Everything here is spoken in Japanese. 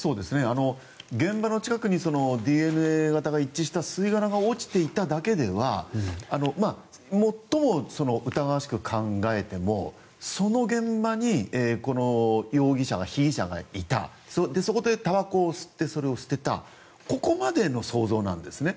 現場の近くにＤＮＡ型が一致した吸い殻が落ちていただけでは最も疑わしく考えてもその現場にこの容疑者、被疑者がいたそこでたばこを吸ってそれを捨てたここまでの想像なんですね。